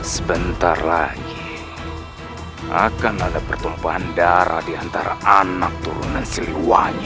sebentar lagi akan ada pertumpahan darah di antara anak turunan siliwangi